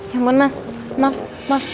ya ampun mas mas mas